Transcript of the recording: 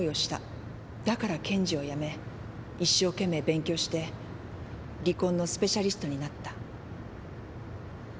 だから検事を辞め一生懸命勉強して離婚のスペシャリストになった。